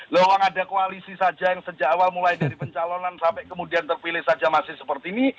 long ada koalisi saja yang sejak awal mulai dari pencalonan sampai kemudian terpilih saja masih seperti ini